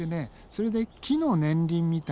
それで木の年輪みたいにさ。